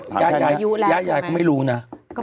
ข้าว่าหนูไม่รู้นะ